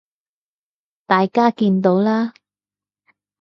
大家見到啦